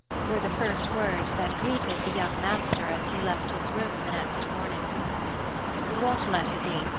were the first words that greeted the "young master" as he left his room next morning. "What letter, Dean?